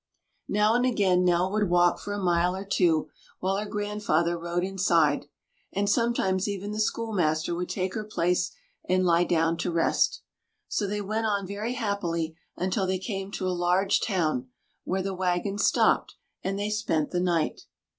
Now and again Nell would walk for a mile or two while her grandfather rode inside, and sometimes even the schoolmaster would take her place and lie down to rest. So they went on very happily until they came to a large town, where the wagon stopped, and they spent the night.